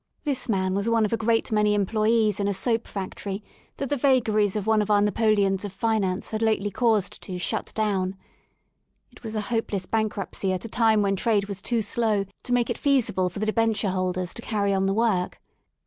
This man was one of a great many employees in a soap factory that the vagaries of one of our Napoleons of Finance had lately caused to shut down." It was a hopeless bankruptcy at a time when trade was too slow to make it feasible for the debenture holders to carry on the work.